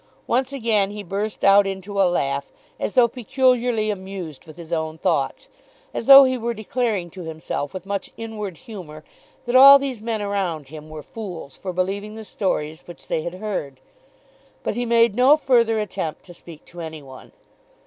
Once again he burst out into a laugh, as though peculiarly amused with his own thoughts; as though he were declaring to himself with much inward humour that all these men around him were fools for believing the stories which they had heard; but he made no further attempt to speak to any one.